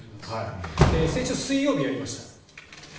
先週水曜日にやりました。